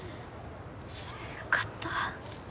それはよかった。